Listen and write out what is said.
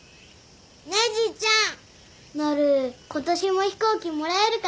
ねえじいちゃんなる今年も飛行機もらえるかな。